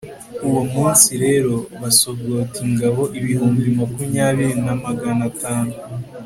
uwo munsi rero, basogota ingabo ibihumbi makumyabiri na magana atanu